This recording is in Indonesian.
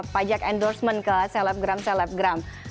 pajak endorsement ke selebgram selebgram